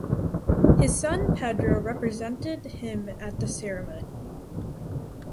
His son Pedro represented him at the ceremony.